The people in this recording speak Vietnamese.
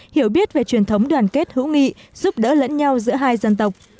hiểu biết về truyền thống đoàn kết hữu nghị giúp đỡ lẫn nhau giữa hai dân tộc